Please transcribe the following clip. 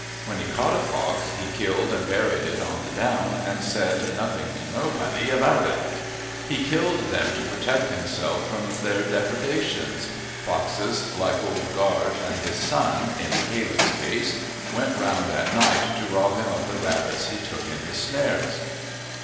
When he caught a fox he killed and buried it on the down and said "nothing to nobody" about it. He killed them to protect himself from their depredations; foxes, like Old Gaarge and his son in Caleb's case, went round at night to rob him of the rabbits he took in his snares.